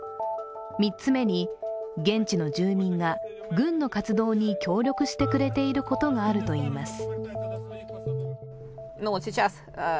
３つ目に、現地の住民が軍の活動に協力してくれていることがあるといいます。